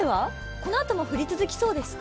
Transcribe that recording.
このあとも降り続きそうですか？